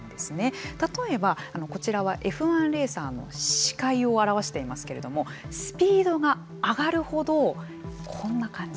例えばこちらはＦ１レーサーの視界を表していますけれどもスピードが上がるほどこんな感じ。